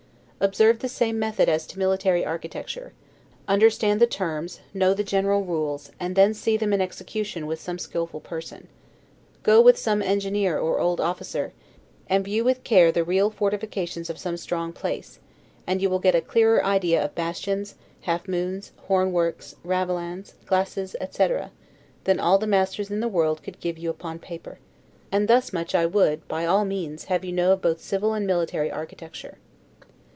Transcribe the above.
Observe the same method as to military architecture; understand the terms, know the general rules, and then see them in execution with some skillful person. Go with some engineer or old officer, and view with care the real fortifications of some strong place; and you will get a clearer idea of bastions, half moons, horn works, ravelins, glacis, etc., than all the masters in the world could give you upon paper. And thus much I would, by all means, have you know of both civil and military architecture.